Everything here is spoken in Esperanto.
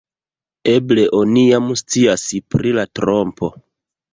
Eble oni jam scias pri la trompo.